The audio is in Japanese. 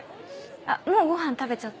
もうごはん食べちゃった？